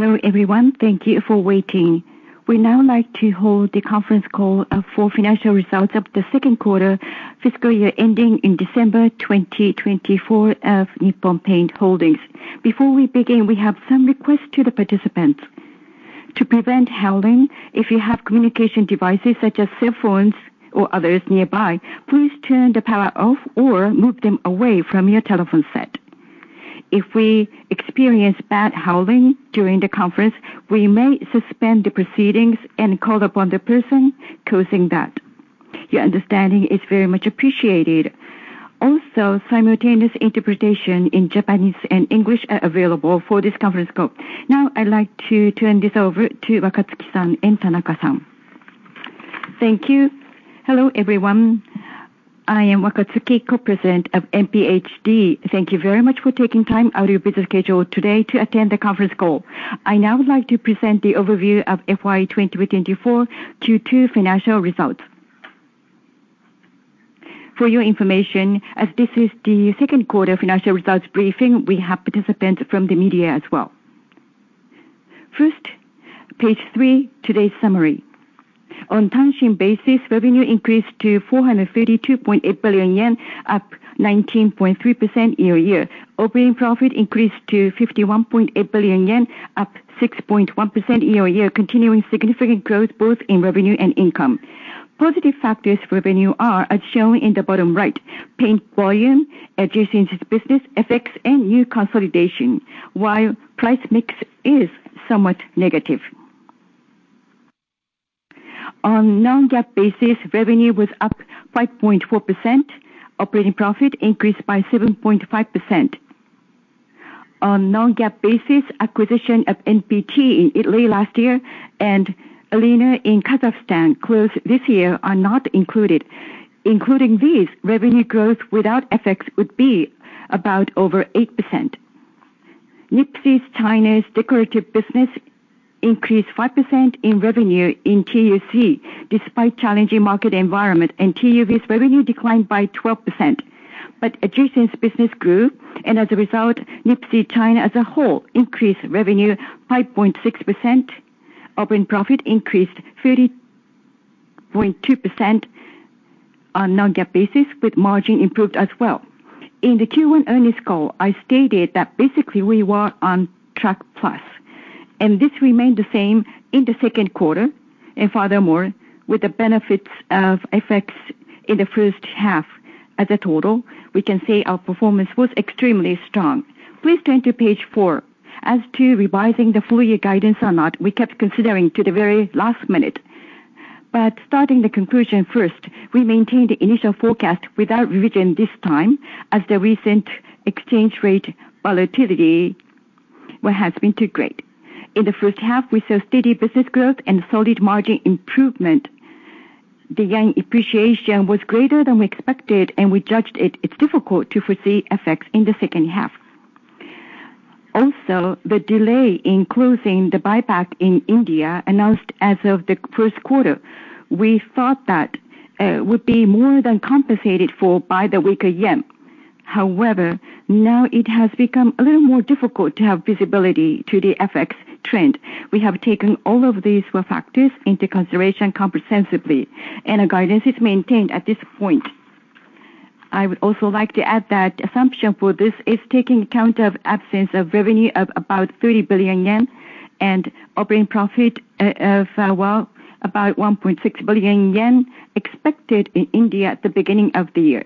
Hello, everyone. Thank you for waiting. We'd now like to hold the Conference Call for Financial Results of the Second Quarter Fiscal Year ending in December 2024 of Nippon Paint Holdings. Before we begin, we have some requests to the participants. To prevent howling, if you have communication devices such as cell phones or others nearby, please turn the power off or move them away from your telephone set. If we experience bad howling during the conference, we may suspend the proceedings and call upon the person causing that. Your understanding is very much appreciated. Also, simultaneous interpretation in Japanese and English are available for this conference call. Now, I'd like to turn this over to Wakatsuki-san and Tanaka-san. Thank you. Hello, everyone. I am Wakatsuki, Co-president of NPHD. Thank you very much for taking time out of your busy schedule today to attend the conference call. I now would like to present the overview of FY 2024 Q2 Financial Results. For your information, as this is the second quarter financial results briefing, we have participants from the media as well. First, page three, today's summary. On IFRS basis, revenue increased to 432.8 billion yen, up 19.3% year-over-year. Operating profit increased to 51.8 billion yen, up 6.1% year-over-year, continuing significant growth both in revenue and income. Positive factors revenue are, as shown in the bottom right, paint volume, adjacent business, FX, and new consolidation, while price mix is somewhat negative. On non-GAAP basis, revenue was up 5.4%, operating profit increased by 7.5%. On non-GAAP basis, acquisition of NPT in Italy last year and Alina in Kazakhstan closed this year are not included. Including these, revenue growth without effects would be about over 8%. NIPSEA's China's decorative business increased 5% in revenue in TUC, despite challenging market environment and TUB's revenue declined by 12%. But adjacent business grew, and as a result, NIPSEA China as a whole increased revenue 5.6%. Operating profit increased 30.2% on non-GAAP basis, with margin improved as well. In the Q1 earnings call, I stated that basically we were on track plus, and this remained the same in the second quarter, and furthermore, with the benefits of effects in the first half as a total, we can say our performance was extremely strong. Please turn to page four. As to revising the full year guidance or not, we kept considering to the very last minute. But starting the conclusion first, we maintained the initial forecast without revision this time, as the recent exchange rate volatility, well, has been too great. In the first half, we saw steady business growth and solid margin improvement. The yen appreciation was greater than we expected, and we judged it, it's difficult to foresee effects in the second half. Also, the delay in closing the buyback in India announced as of the first quarter, we thought that, would be more than compensated for by the weaker yen. However, now it has become a little more difficult to have visibility to the FX trend. We have taken all of these factors into consideration comprehensively, and our guidance is maintained at this point. I would also like to add that assumption for this is taking account of absence of revenue of about 30 billion yen and operating profit, well, about 1.6 billion yen expected in India at the beginning of the year.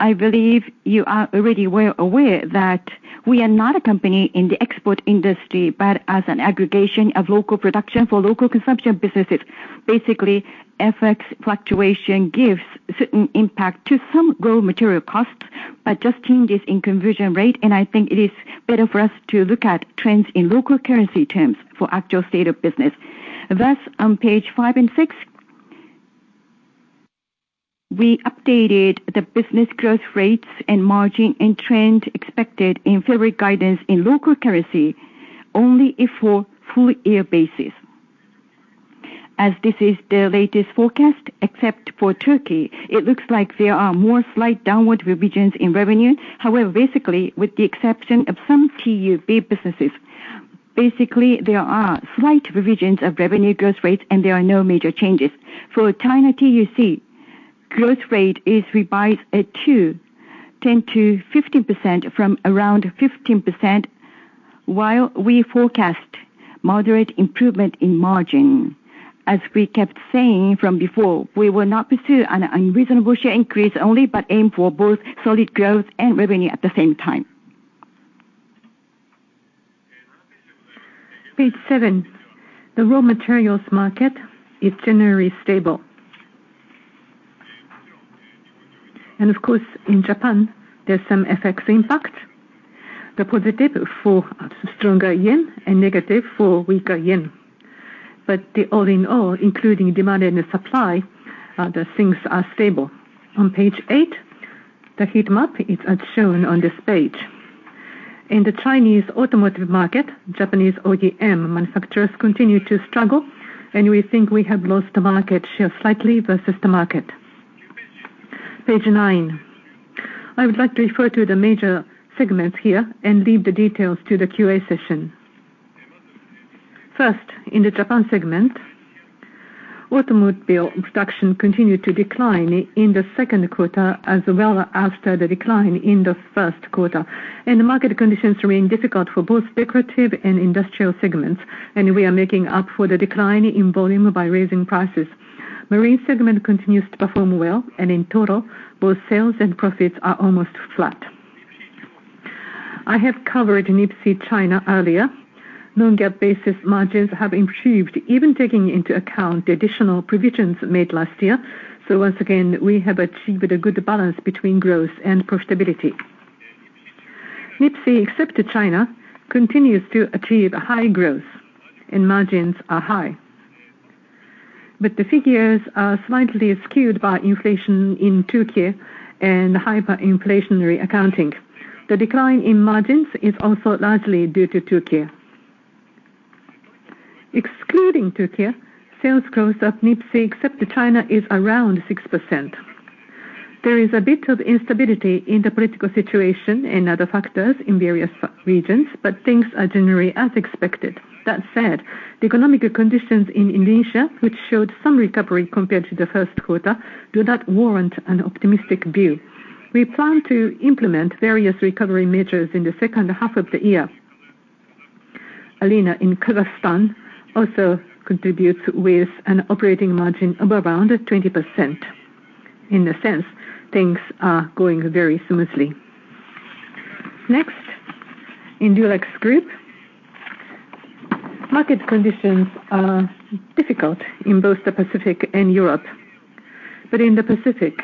I believe you are already well aware that we are not a company in the export industry, but as an aggregation of local production for local consumption businesses. Basically, FX fluctuation gives certain impact to some raw material costs, but just changes in conversion rate, and I think it is better for us to look at trends in local currency terms for actual state of business. Thus, on page five and six, we updated the business growth rates and margin and trend expected in February guidance in local currency only if for full year basis. As this is the latest forecast, except for Turkey, it looks like there are more slight downward revisions in revenue. However, basically, with the exception of some TUB businesses, basically, there are slight revisions of revenue growth rates, and there are no major changes. For China TUC, growth rate is revised at 10%-15% from around 15%, while we forecast moderate improvement in margin. As we kept saying from before, we will not pursue an unreasonable share increase only, but aim for both solid growth and revenue at the same time. Page seven. The raw materials market is generally stable. And of course, in Japan, there's some FX impact, the positive for stronger yen and negative for weaker yen. But all in all, including demand and the supply, the things are stable. On page eight, the heat map is as shown on this page. In the Chinese automotive market, Japanese OEM manufacturers continue to struggle, and we think we have lost the market share slightly versus the market. ...Page nine. I would like to refer to the major segments here and leave the details to the Q&A session. First, in the Japan segment, automobile production continued to decline in the second quarter as well after the decline in the first quarter, and the market conditions remain difficult for both decorative and industrial segments, and we are making up for the decline in volume by raising prices. Marine segment continues to perform well, and in total, both sales and profits are almost flat. I have covered NIPSEA China earlier. Non-GAAP basis margins have improved, even taking into account the additional provisions made last year. So once again, we have achieved a good balance between growth and profitability. NIPSEA, except China, continues to achieve high growth, and margins are high. But the figures are slightly skewed by inflation in Turkey and hyperinflationary accounting. The decline in margins is also largely due to Turkey. Excluding Turkey, sales growth of NIPSEA, except China, is around 6%. There is a bit of instability in the political situation and other factors in various regions, but things are generally as expected. That said, the economic conditions in Indonesia, which showed some recovery compared to the first quarter, do not warrant an optimistic view. We plan to implement various recovery measures in the second half of the year. Alina in Kazakhstan also contributes with an operating margin above around 20%. In a sense, things are going very smoothly. Next, in Dulux Group, market conditions are difficult in both the Pacific and Europe. But in the Pacific,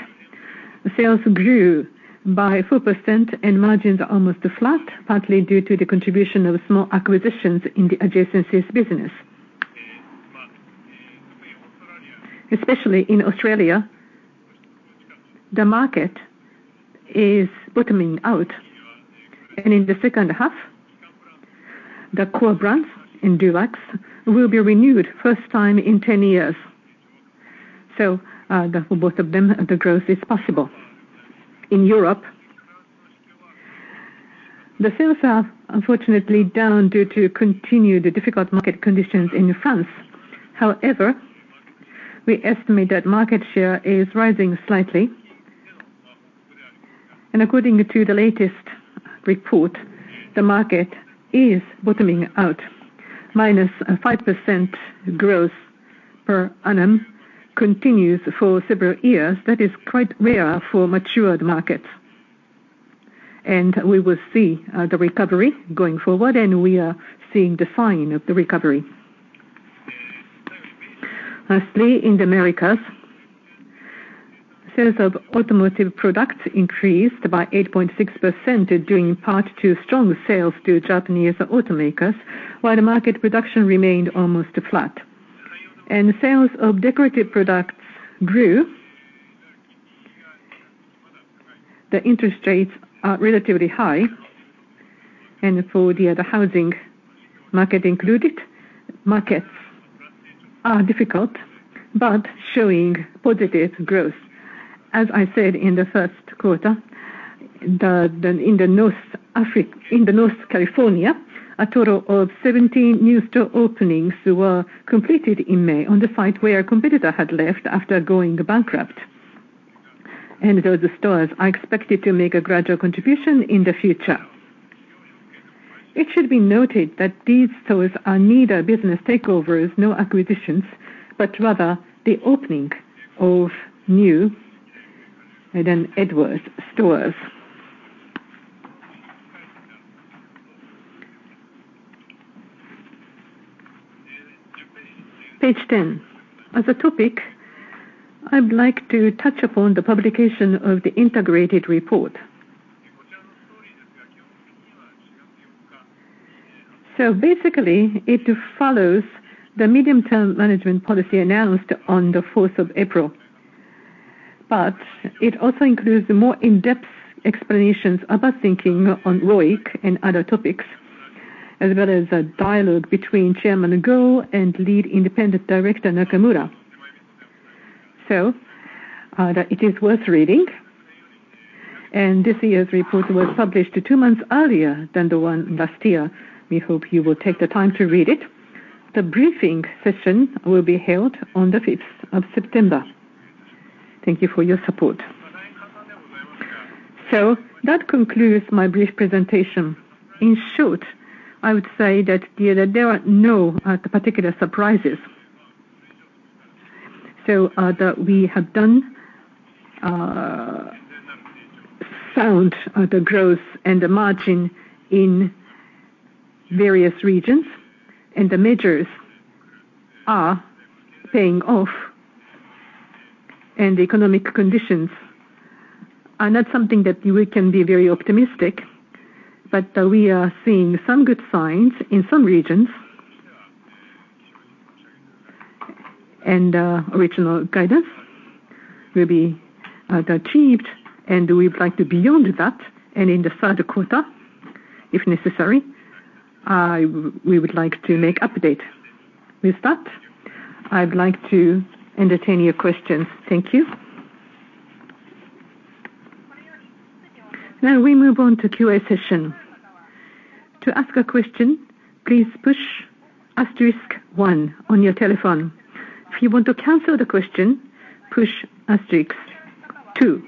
sales grew by 4% and margins are almost flat, partly due to the contribution of small acquisitions in the adjacencies business. Especially in Australia, the market is bottoming out, and in the second half, the core brands in Dulux will be renewed, first time in 10 years. So, for both of them, the growth is possible. In Europe, the sales are unfortunately down due to continued difficult market conditions in France. However, we estimate that market share is rising slightly. And according to the latest report, the market is bottoming out. -5% growth per annum continues for several years. That is quite rare for matured markets. And we will see the recovery going forward, and we are seeing the sign of the recovery. Lastly, in the Americas, sales of automotive products increased by 8.6%, due in part to strong sales to Japanese automakers, while the market production remained almost flat. And sales of decorative products grew. The interest rates are relatively high, and for the housing market included, markets are difficult, but showing positive growth. As I said in the first quarter, in the North California, a total of 17 new store openings were completed in May on the site where a competitor had left after going bankrupt. Those stores are expected to make a gradual contribution in the future. It should be noted that these stores are neither business takeovers, nor acquisitions, but rather the opening of new Dunn-Edwards stores. Page 10. As a topic, I'd like to touch upon the publication of the integrated report. So basically, it follows the medium-term management policy announced on the fourth of April. But it also includes more in-depth explanations about thinking on ROIC and other topics, as well as a dialogue between Chairman Goh and Lead Independent Director, Nakamura. So, that it is worth reading, and this year's report was published two months earlier than the one last year. We hope you will take the time to read it. The briefing session will be held on the fifth of September. Thank you for your support. So that concludes my brief presentation. In short, I would say that, yeah, there are no particular surprises. So, that we have done, sound, the growth and the margin in various regions, and the measures are paying off, and the economic conditions are not something that we can be very optimistic, but we are seeing some good signs in some regions. Original guidance will be achieved, and we'd like to beyond that. And in the third quarter?... If necessary, we would like to make update. With that, I'd like to entertain your questions. Thank you. Now we move on to Q&A session. To ask a question, please push asterisk one on your telephone. If you want to cancel the question, push asterisk two,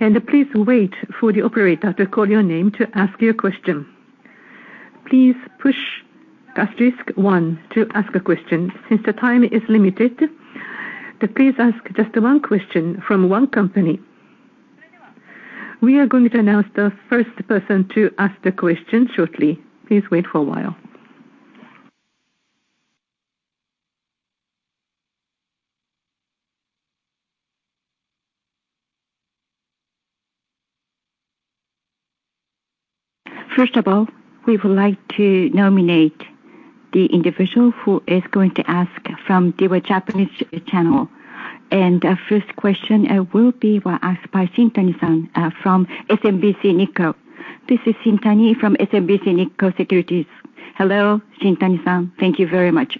and please wait for the operator to call your name to ask your question. Please push asterisk one to ask a question. Since the time is limited, please ask just one question from one company. We are going to announce the first person to ask the question shortly. Please wait for a while. First of all, we would like to nominate the individual who is going to ask from the Japanese channel, and the first question will be asked by Shintani-san from SMBC Nikko. This is Shintani from SMBC Nikko Securities. Hello, Shintani-san. Thank you very much.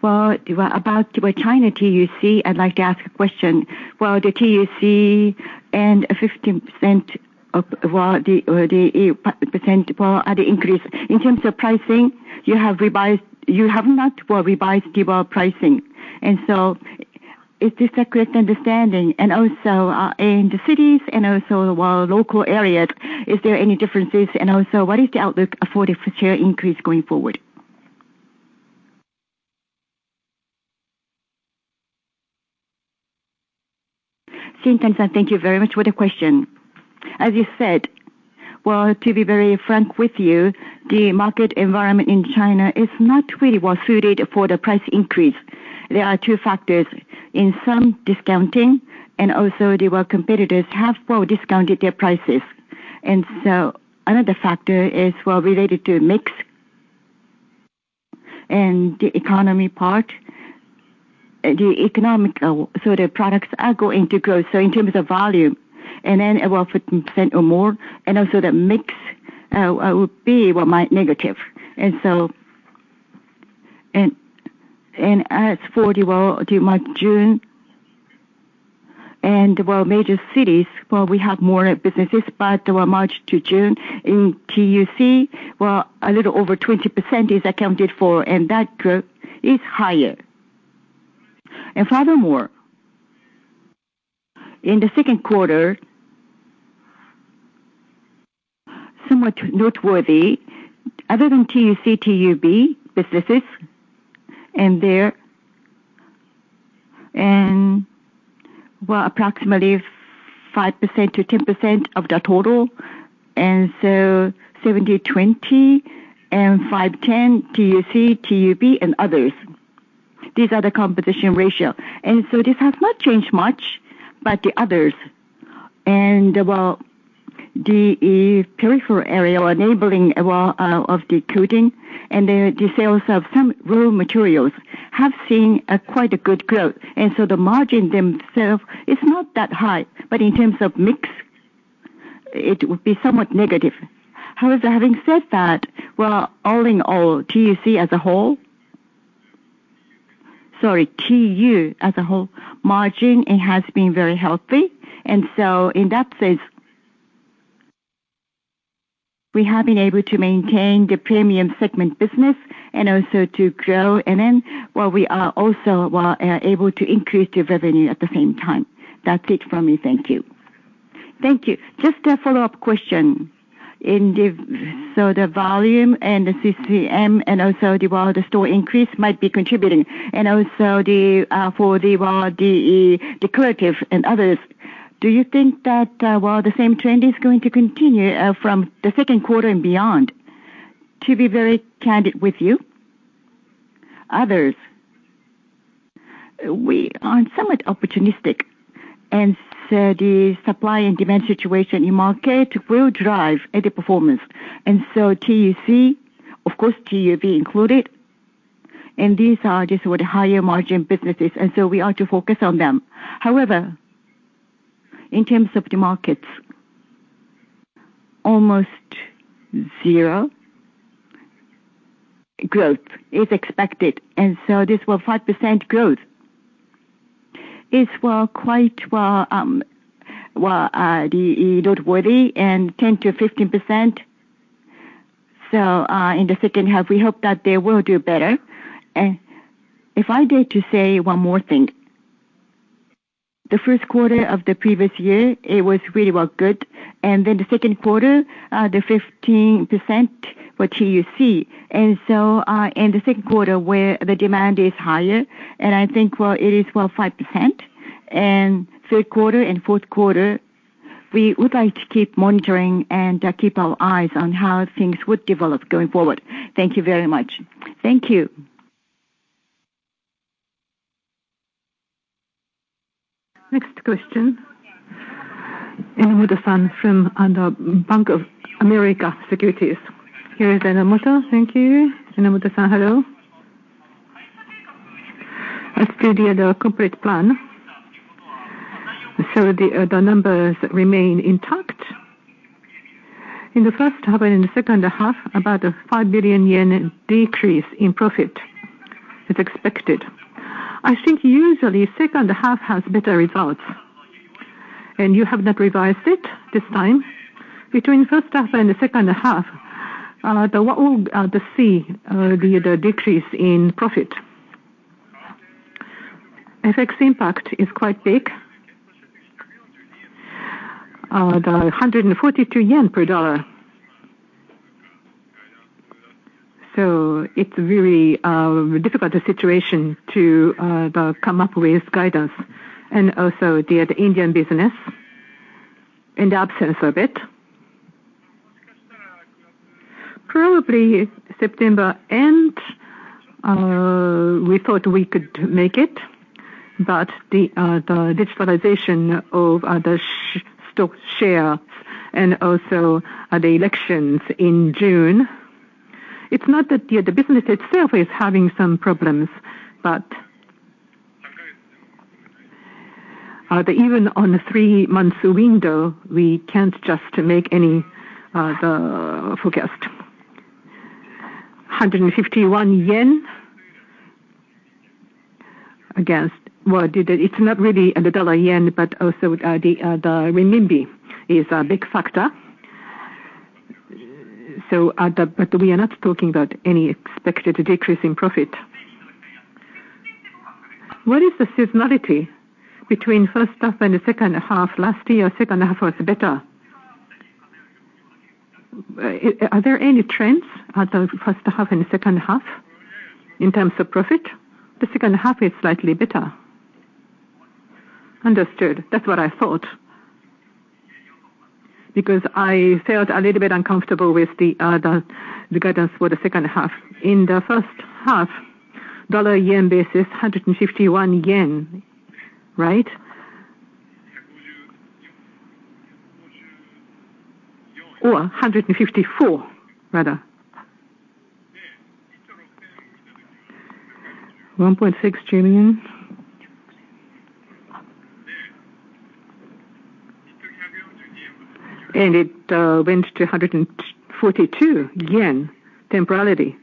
Well, about the China TUC, I'd like to ask a question. Well, the TUC and a 15% of, well, the, the percent, well, at the increase. In terms of pricing, you have revised. You have not well revised your pricing, and so is this a correct understanding? And also, in the cities and also while local areas, is there any differences? And also, what is the outlook for the per share increase going forward? Shintani-san, thank you very much for the question. As you said, well, to be very frank with you, the market environment in China is not really well suited for the price increase. There are two factors, in some discounting, and also there were competitors have well discounted their prices. And so another factor is well related to mix and the economy part. The economy, so the products are going to grow, so in terms of volume, and then it will % or more, and also the mix will be mildly negative. And so, and, and as for the well, the March to June, and well, major cities, well, we have more businesses, but well March to June, in TUC, well, a little over 20% is accounted for, and that growth is higher. And furthermore, in the second quarter, somewhat noteworthy, other than TUC, TUB businesses and there, and well, approximately 5%-10% of the total, and so 70, 20 and 5-10, TUC, TUB and others. These are the competition ratio, and so this has not changed much, but the others. And well, the peripheral area enabling well, of the coding and the sales of some raw materials have seen quite a good growth, and so the margins themselves is not that high, but in terms of mix, it would be somewhat negative. However, having said that, well, all in all, TUC as a whole... Sorry, TU as a whole, margin, it has been very healthy, and so in that sense, we have been able to maintain the premium segment business and also to grow. And then while we are also, well, able to increase the revenue at the same time. That's it from me. Thank you. Thank you. Just a follow-up question. So the volume and the CCM and also the, for the, well, the decorative and others, do you think that, well, the same trend is going to continue, from the second quarter and beyond? To be very candid with you, others, we are somewhat opportunistic, and so the supply and demand situation in market will drive at the performance. So TUC, of course, TUB included, and these are just with higher margin businesses, and so we are to focus on them. However, in terms of the markets, almost zero growth is expected, and so this, well, 5% growth is, well, quite, well, the noteworthy and 10%-15%. So, in the second half, we hope that they will do better. If I dare to say one more thing, the first quarter of the previous year, it was really well good, and then the second quarter, the 15% for TUC, and so, in the second quarter, where the demand is higher, and I think, well, it is, well, 5%. And third quarter and fourth quarter, we would like to keep monitoring and keep our eyes on how things would develop going forward. Thank you very much. Thank you. Next question, Enomoto-san from the Bank of America Securities. Here is Enomoto. Thank you. Enomoto-san, hello? I still did a corporate plan, so the numbers remain intact. In the first half and the second half, about a 5 billion yen decrease in profit is expected. I think usually second half has better results, and you have not revised it this time. Between first half and the second half, what will be the decrease in profit? FX impact is quite big. The JPY 142 per dollar. So it's very difficult situation to come up with guidance and also the Indian business, in the absence of it. Probably September end, we thought we could make it, but the digitalization of the stock share and also the elections in June. It's not that the business itself is having some problems, but even on the three-month window, we can't just make any forecast. 151 yen against... Well, it's not really the dollar/yen, but also the renminbi is a big factor. So, but we are not talking about any expected decrease in profit. What is the seasonality between first half and the second half? Last year, second half was better. Are there any trends at the first half and the second half in terms of profit? The second half is slightly better. Understood. That's what I thought, because I felt a little bit uncomfortable with the, the guidance for the second half. In the first half, dollar/yen basis, JPY 151, right? Or 154, rather. JPY 1.6 trillion. And it went to 142 yen temporarily,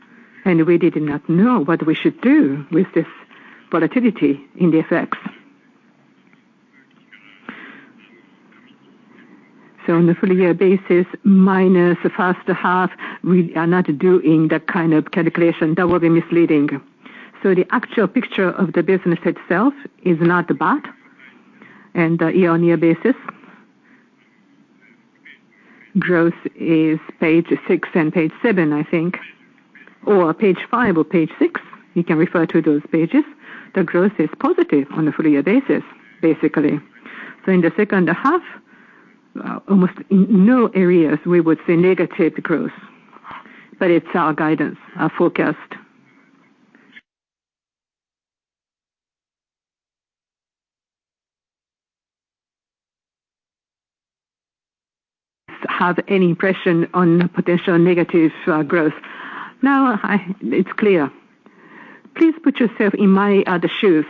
and we did not know what we should do with this volatility in the effects. So on a full year basis, minus the first half, we are not doing that kind of calculation. That will be misleading. So the actual picture of the business itself is not bad, and the year-on-year basis. Growth is page six and page seven, I think, or page five or page six. You can refer to those pages. The growth is positive on a full year basis, basically. So in the second half, almost in no areas we would say negative growth, but it's our guidance, our forecast. Have any impression on potential negative growth. Now it's clear. Please put yourself in my shoes.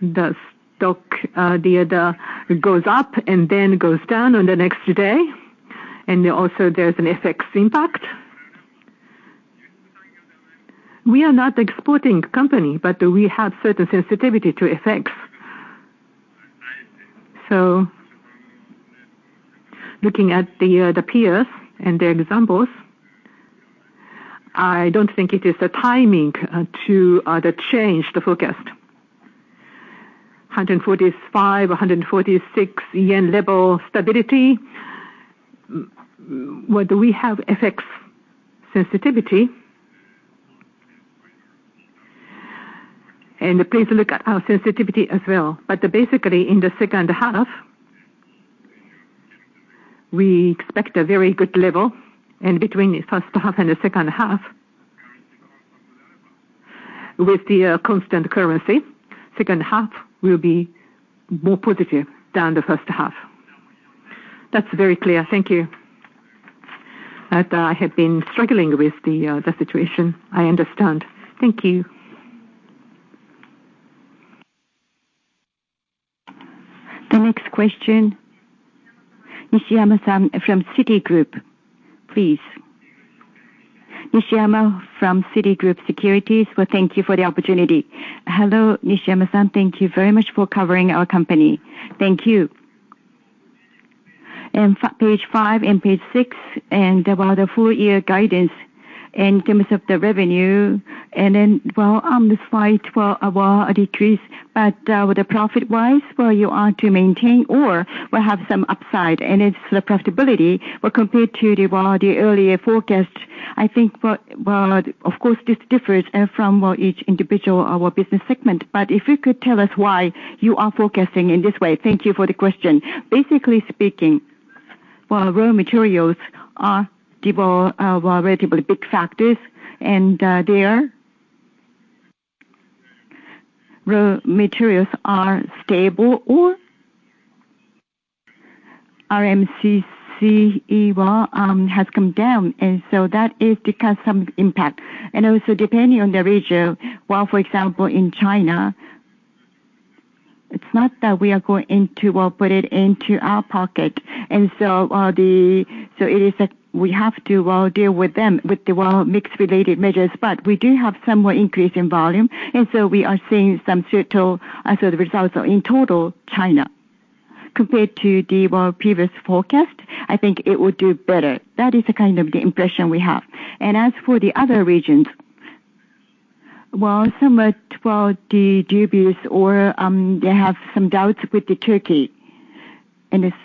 The stock goes up and then goes down on the next day, and also there's an FX impact. We are not exporting company, but we have certain sensitivity to FX. So looking at the peers and the examples, I don't think it is the timing to change the forecast. JPY 145-JPY 146 level stability. Where do we have FX sensitivity? And please look at our sensitivity as well. But basically, in the second half, we expect a very good level. Between the first half and the second half, with the constant currency, second half will be more positive than the first half. That's very clear. Thank you. But I have been struggling with the situation. I understand. Thank you. The next question, Nishiyama-san from Citigroup, please. Nishiyama from Citigroup Securities. Well, thank you for the opportunity. Hello, Nishiyama-san. Thank you very much for covering our company. Thank you. And page five and page six, and about the full year guidance in terms of the revenue, and then, well, on the slide, well, a decrease. But with the profit-wise, well, you are to maintain or will have some upside, and it's the profitability, but compared to the, well, the earlier forecast, I think, well, of course, this differs from, well, each individual, our business segment. But if you could tell us why you are forecasting in this way? Thank you for the question. Basically speaking, well, raw materials are the, well, relatively big factors, and, they are-... Raw materials are stable or our RMCC, well, has come down, and so that is to cut some impact. And also depending on the region, well, for example, in China, it's not that we are going into, well, put it into our pocket, and so, so it is that we have to, well, deal with them with the, well, mix related measures, but we do have somewhat increase in volume, and so we are seeing some certain, sort of results. So in total, China, compared to the, well, previous forecast, I think it will do better. That is the kind of the impression we have. And as for the other regions, well, somewhat, well, the dubious or, they have some doubts with Turkey, and it's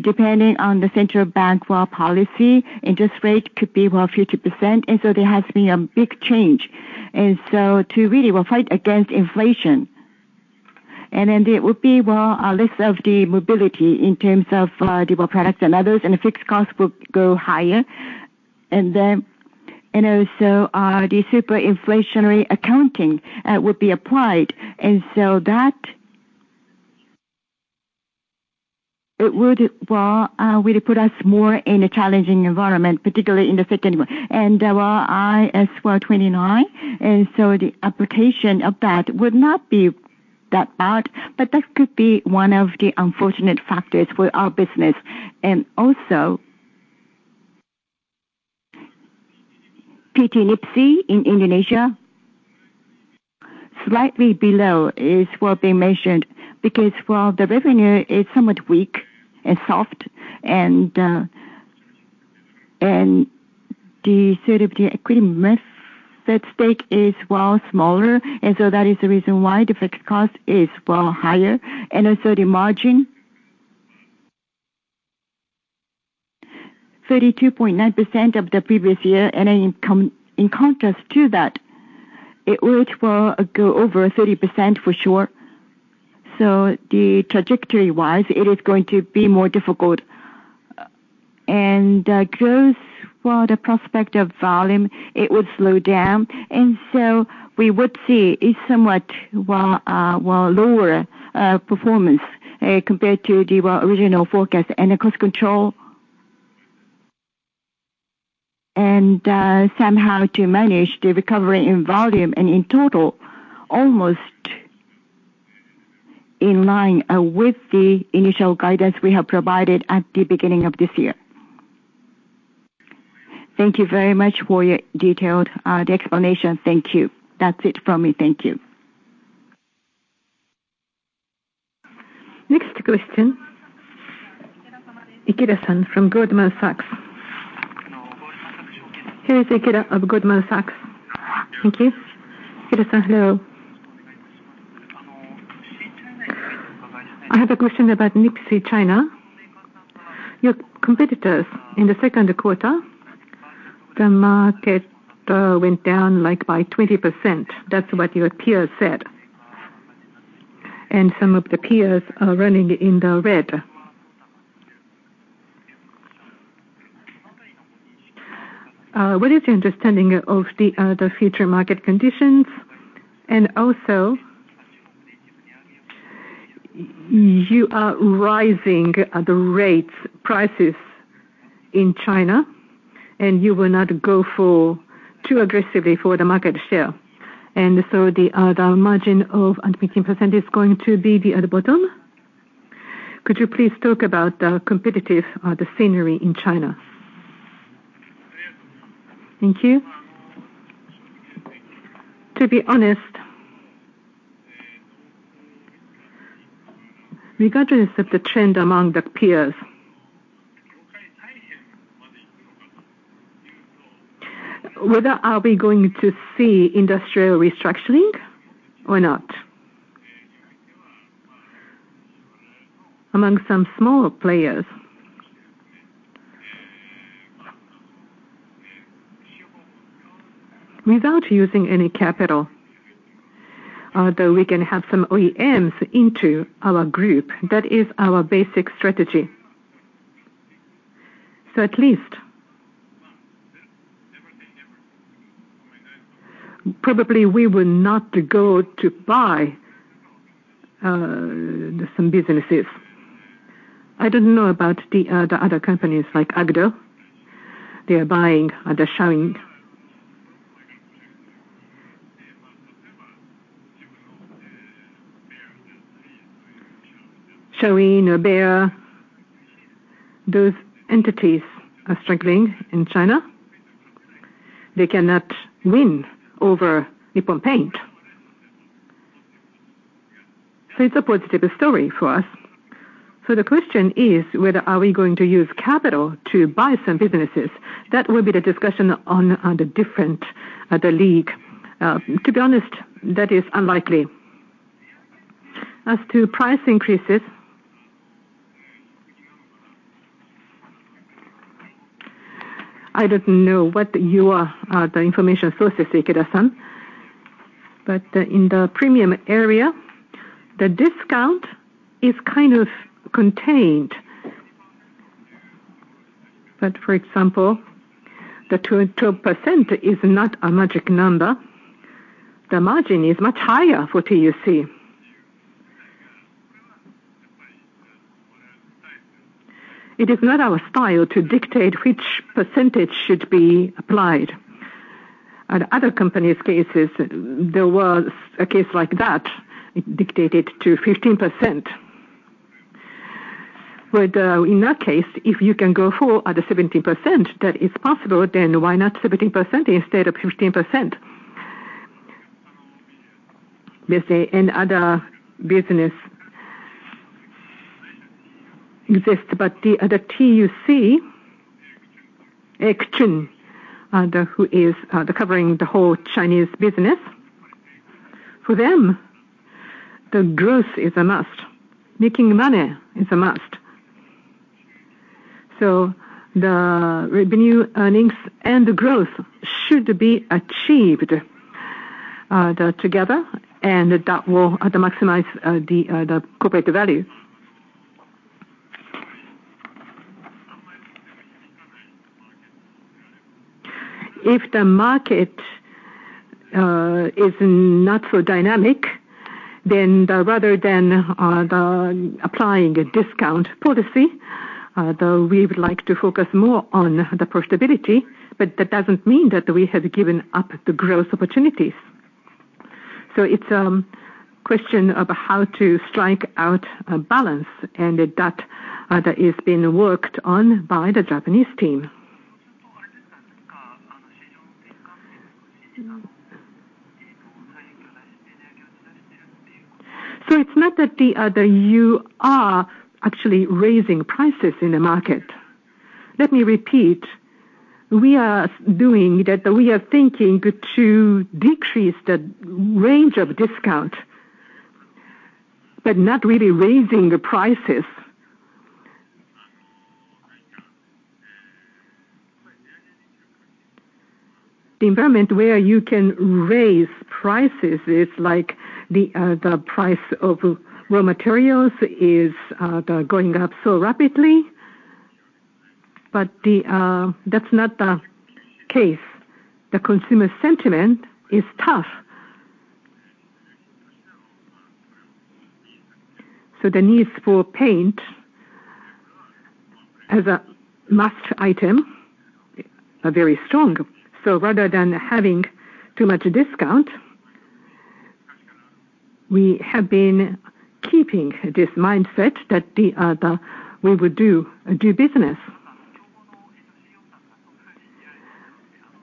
depending on the central bank, well, policy, interest rate could be, well, 50%, and so there has been a big change. And so to really, well, fight against inflation, and then there would be, well, a less of the mobility in terms of, the products and others, and the fixed costs will go higher. And then, and also, the hyperinflationary accounting would be applied, and so that. It would, well, will put us more in a challenging environment, particularly in the fifth quarter. And, well, IAS 29, and so the application of that would not be that bad, but that could be one of the unfortunate factors for our business. And also, PT NIPSEA in Indonesia, slightly below is what being measured, because, well, the revenue is somewhat weak and soft, and the sort of the equity mix at stake is, well, smaller, and so that is the reason why the fixed cost is, well, higher. And also the margin, 32.9% of the previous year, and in contrast to that, it would, well, go over 30% for sure. So the trajectory-wise, it is going to be more difficult. And growth, well, the prospect of volume, it would slow down, and so we would see a somewhat, well, well, lower performance compared to the, well, original forecast and the cost control. Somehow to manage the recovery in volume and in total, almost in line with the initial guidance we have provided at the beginning of this year. Thank you very much for your detailed explanation. Thank you. That's it from me. Thank you. Next question. Ikeda-san from Goldman Sachs. Here is Ikeda of Goldman Sachs. Thank you. Ikeda-san, hello. I have a question about NIPSEA, China. Your competitors in the second quarter, the market went down, like, by 20%. That's what your peers said. And some of the peers are running in the red. What is your understanding of the future market conditions? And also, you are raising the prices in China, and you will not go for too aggressively for the market share. And so the margin of 18% is going to be the bottom? Could you please talk about the competitive scenario in China? Thank you. To be honest, regardless of the trend among the peers, whether are we going to see industrial restructuring or not? Among some smaller players. Without using any capital, though we can have some OEMs into our group, that is our basic strategy. So at least, probably we will not go to buy some businesses. I don't know about the other companies like Akzo. They are buying, they're showing there, those entities are struggling in China. They cannot win over Nippon Paint. So it's a positive story for us. So the question is, whether are we going to use capital to buy some businesses? That will be the discussion on the different, the league. To be honest, that is unlikely. As to price increases, I don't know what your the information source is, Ikeda-san, but in the premium area, the discount is kind of contained. But for example, the 2, 12% is not a magic number. The margin is much higher for TUC. It is not our style to dictate which percentage should be applied. At other companies cases, there was a case like that, it dictated to 15%. But, in that case, if you can go for at a 17%, that is possible, then why not 17% instead of 15%? Let's say, in other business exist, but the, at the TUC, Eric Chung, the, who is, the covering the whole Chinese business, for them, the growth is a must, making money is a must. So the revenue, earnings, and the growth should be achieved, the together, and that will, maximize, the, the corporate value. If the market is not so dynamic, then rather than applying a discount policy, though we would like to focus more on the profitability, but that doesn't mean that we have given up the growth opportunities. So it's a question of how to strike a balance, and that is being worked on by the Japanese team. So it's not that you are actually raising prices in the market. Let me repeat, we are doing that, we are thinking to decrease the range of discount, but not really raising the prices. The environment where you can raise prices is like the price of raw materials is going up so rapidly. But that's not the case. The consumer sentiment is tough. So the needs for paint as a must item are very strong. So rather than having too much discount, we have been keeping this mindset that we would do business.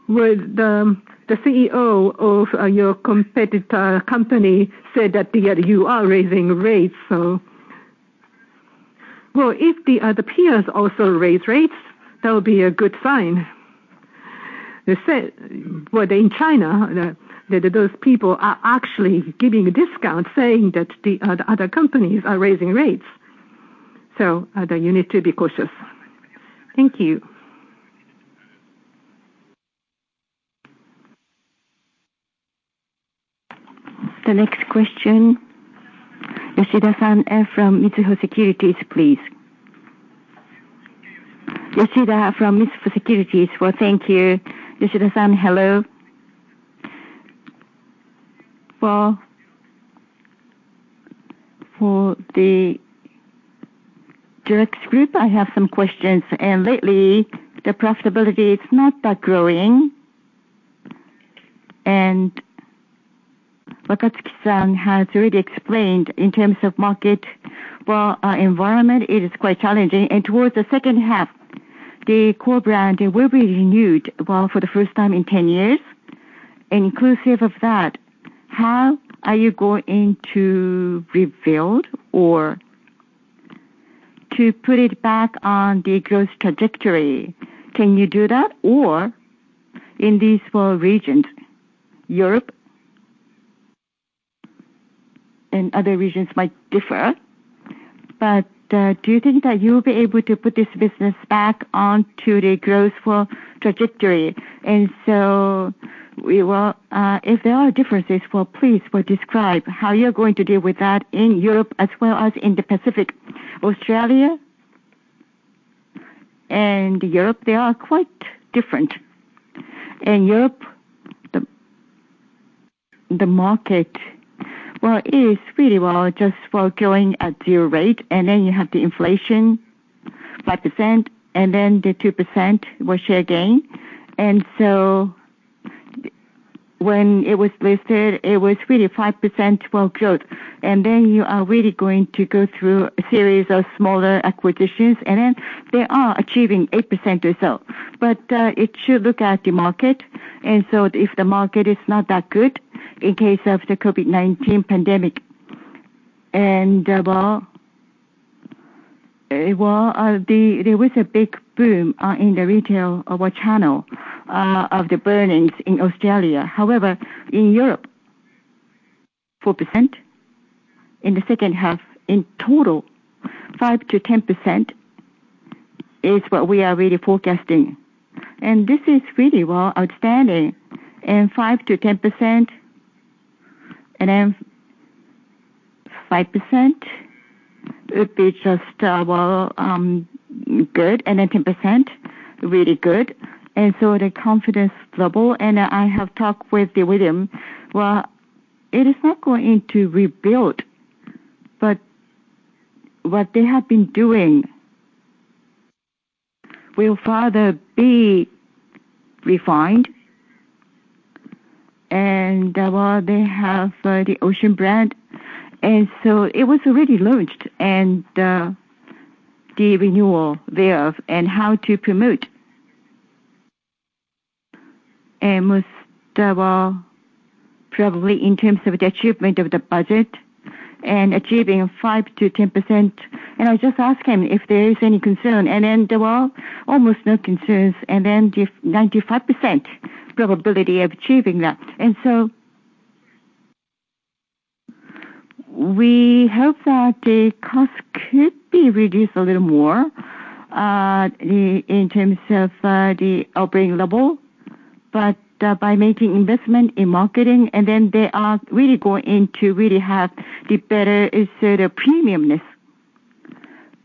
Well, the CEO of your competitor company said that you are raising rates, so... Well, if the peers also raise rates, that would be a good sign. They said, well, in China, those people are actually giving a discount, saying that the other companies are raising rates, so you need to be cautious. Thank you. The next question, Yoshida-san from Mizuho Securities, please. Yoshida from Mizuho Securities. Well, thank you. Yoshida-san, hello. Well, for the Direct Group, I have some questions, and lately, the profitability is not that growing. And Wakatsuki-san has already explained, in terms of market, well, environment, it is quite challenging. And towards the second half, the core brand will be renewed, well, for the first time in 10 years. Inclusive of that, how are you going to rebuild or to put it back on the growth trajectory? Can you do that? Or in these four regions, Europe and other regions might differ, but, do you think that you'll be able to put this business back on to the growth for trajectory? And so we will, if there are differences, please describe how you're going to deal with that in Europe as well as in the Pacific. Australia and Europe, they are quite different. In Europe, the market, well, it is really just growing at 0%, and then you have the inflation, 5%, and then the 2% was share gain. And so when it was listed, it was really 5% for growth. And then you are really going to go through a series of smaller acquisitions, and then they are achieving 8% or so. But, it should look at the market, and so if the market is not that good, in case of the COVID-19 pandemic, and, well, the, there was a big boom, in the retail of our channel, of the business in Australia. However, in Europe, 4%. In the second half, in total, 5%-10% is what we are really forecasting. And this is really, well, outstanding, and 5%-10%, and then-... 5% would be just, well, good, and then 10% really good. And so the confidence level, and I have talked with William. Well, it is not going to rebuild, but what they have been doing will further be refined. And, well, they have the Ocean brand, and so it was already launched, and the renewal thereof and how to promote. And was, well, probably in terms of the achievement of the budget and achieving 5%-10%, and I just ask him if there is any concern, and then, well, almost no concerns, and then the 95% probability of achieving that. And so we hope that the cost could be reduced a little more, in terms of the operating level, but by making investment in marketing, and then they are really going in to really have the better, let's say, the premiumness.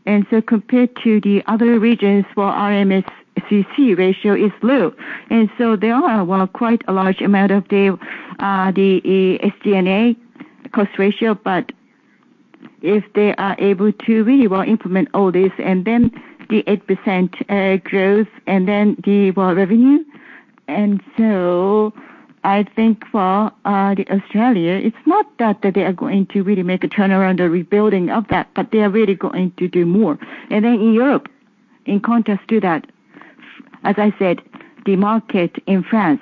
And so compared to the other regions, well, RMCC ratio is low, and so there are, well, quite a large amount of the SG&A cost ratio. But if they are able to really, well, implement all this, and then the 8% growth, and then the, well, revenue. And so I think for the Australia, it's not that they are going to really make a turnaround or rebuilding of that, but they are really going to do more. Then Europe, in contrast to that, as I said, the market in France,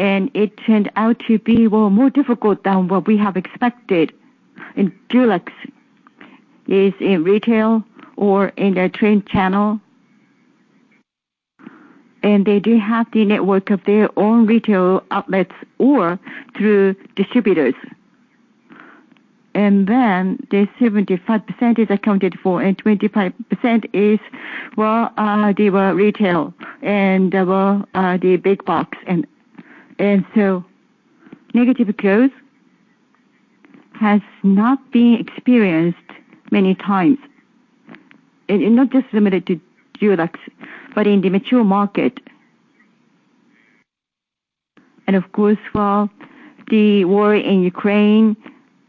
and it turned out to be, well, more difficult than what we have expected, and Dulux is in retail or in the trade channel. And they do have the network of their own retail outlets or through distributors. And then the 75% is accounted for, and 25% is, well, the, retail and, well, the big box. And, and so negative growth has not been experienced many times, and, and not just limited to Dulux, but in the mature market. And of course, well, the war in Ukraine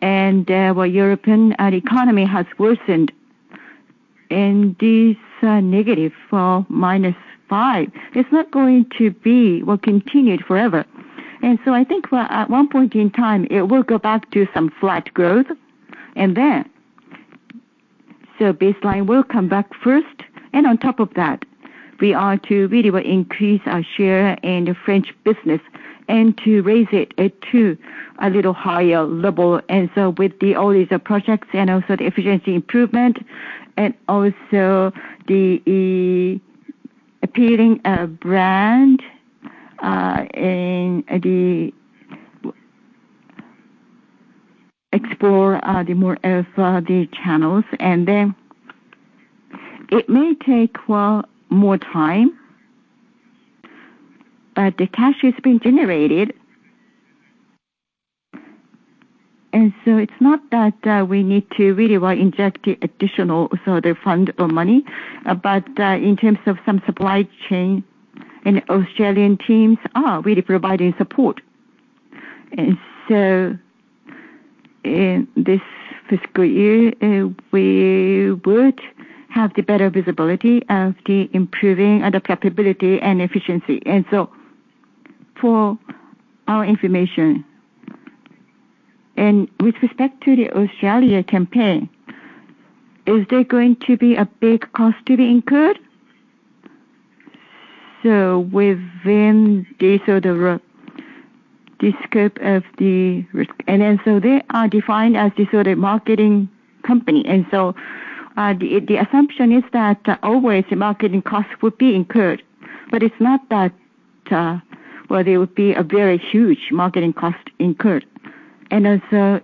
and, well, European, economy has worsened, and this, negative, well, -5%, it's not going to be, well, continued forever. And so I think at one point in time, it will go back to some flat growth, and then so baseline will come back first. And on top of that, we are to really increase our share in the French business and to raise it to a little higher level. And so with all these projects and also the efficiency improvement and also the appealing brand and the... explore the more of the channels, and then it may take, well, more time, but the cash is being generated. And so it's not that we need to really, well, inject the additional, so the fund or money, but in terms of some supply chain, and Australian teams are really providing support. In this fiscal year, we would have the better visibility of the improving of the capability and efficiency, and so for our information. With respect to the Australia campaign, is there going to be a big cost to be incurred? Within the sort of the scope of the risk, and then so they are defined as the sort of marketing company. And so, the assumption is that always the marketing costs would be incurred, but it's not that, well, there would be a very huge marketing cost incurred. And also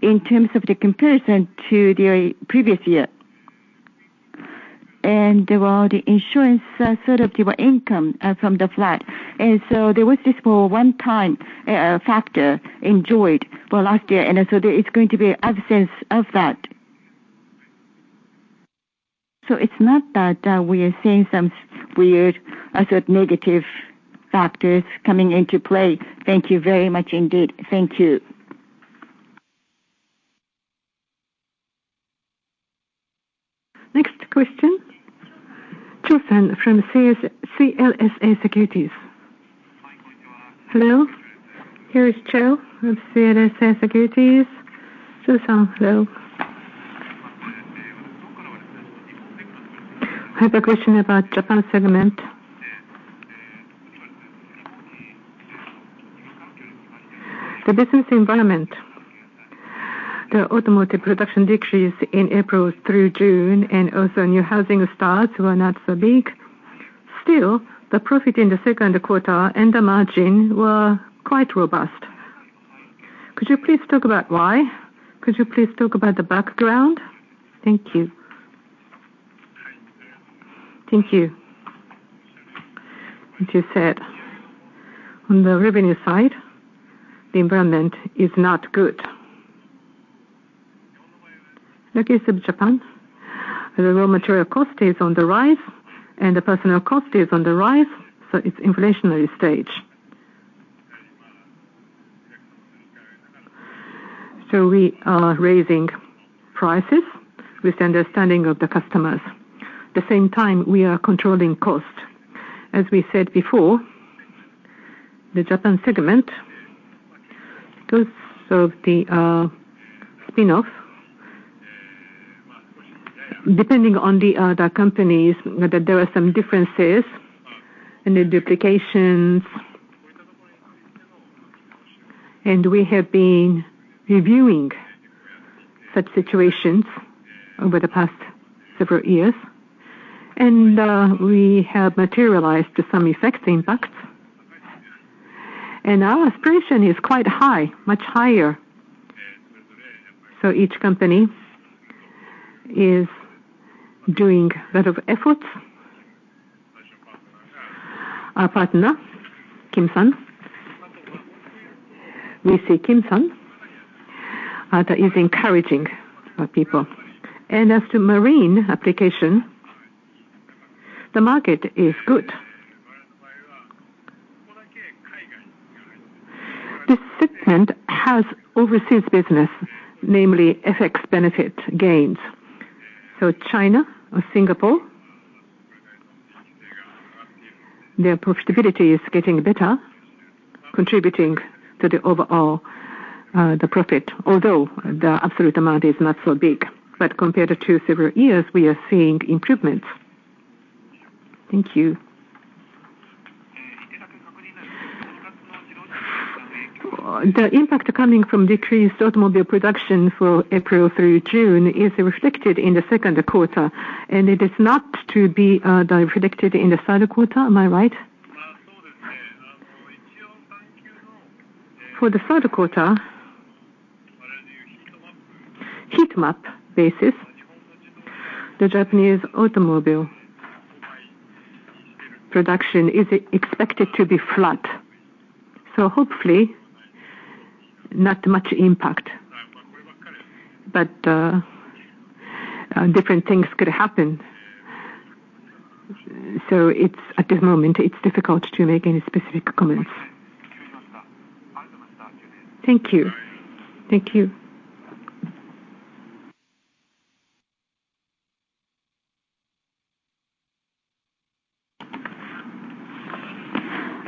in terms of the comparison to the previous year, and, well, the insurance sort of your income from the flood. And so there was this for a one-time factor enjoyed for last year, and so there is going to be absence of that. So it's not that, we are seeing some weird, I said, negative factors coming into play. Thank you very much indeed. Thank you. Next question, Tso Fan from CLSA Securities. Hello, here is Tso with CLSA Securities. Tso-san, hello. I have a question about Japan segment. The business environment, the automotive production decreased in April through June, and also new housing starts were not so big. Still, the profit in the second quarter and the margin were quite robust. Could you please talk about why? Could you please talk about the background? Thank you. Thank you. As you said, on the revenue side, the environment is not good. Like case of Japan, the raw material cost is on the rise, and the personnel cost is on the rise, so it's inflationary stage. So we are raising prices with the understanding of the customers. At the same time, we are controlling costs. As we said before, the Japan segment, because of the spin-off, depending on the other companies, that there are some differences and the duplications, and we have been reviewing such situations over the past several years, and we have materialized to some effect impacts. Our aspiration is quite high, much higher. Each company is doing a lot of efforts. Our partner, Kim San, Wee Siew Kim-san, that is encouraging our people. As to marine application, the market is good. This segment has overseas business, namely FX benefit gains. China or Singapore, their profitability is getting better, contributing to the overall, the profit, although the absolute amount is not so big. Compared to several years, we are seeing improvements. Thank you. The impact coming from decreased automobile production for April through June is reflected in the second quarter, and it is not to be predicted in the third quarter. Am I right? For the third quarter, heat map basis, the Japanese automobile production is expected to be flat. So hopefully, not much impact. But different things could happen. So it's, at the moment, it's difficult to make any specific comments. Thank you. Thank you.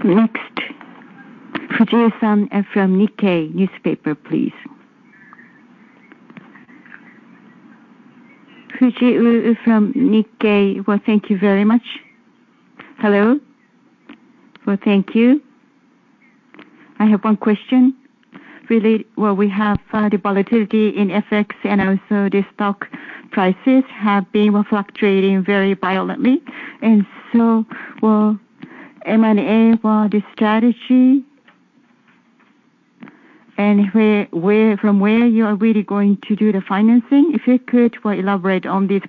Next, Fujiu San from Nikkei Newspaper, please. Fujiu from Nikkei. Well, thank you very much. Hello. Well, thank you. I have one question. Really, well, we have the volatility in FX and also the stock prices have been fluctuating very violently. And so, well, M&A, well, the strategy, and where, where, from where you are really going to do the financing, if you could, well, elaborate on this please?